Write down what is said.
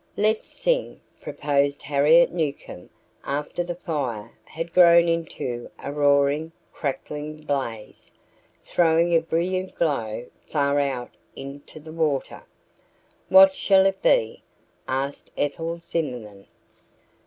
"Let's sing," proposed Harriet Newcomb after the fire had grown into a roaring, crackling blaze, throwing a brilliant glow far out onto the water. "What shall it be?" asked Ethel Zimmerman.